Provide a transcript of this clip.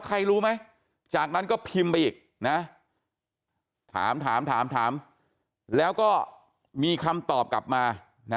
ใครรู้ไหมจากนั้นก็พิมพ์ไปอีกนะถามถามแล้วก็มีคำตอบกลับมา